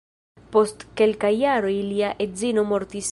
Post kelkaj jaroj lia edzino mortis.